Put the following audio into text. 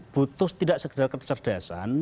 butuh tidak sekedar kecerdasan